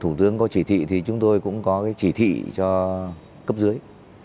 thủ tướng có chỉ thị thì chúng tôi cũng có cái chỉ thị cho cấp dưới